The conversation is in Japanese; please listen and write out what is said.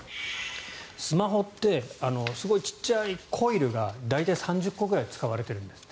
スマホってすごい小さいコイルが大体３０個ぐらい使われているんですって。